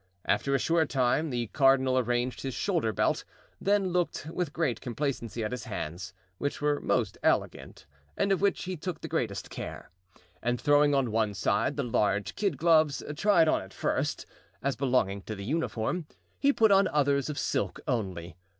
After a short time the cardinal arranged his shoulder belt, then looked with great complacency at his hands, which were most elegant and of which he took the greatest care; and throwing on one side the large kid gloves tried on at first, as belonging to the uniform, he put on others of silk only.